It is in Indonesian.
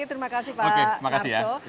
terima kasih pak narso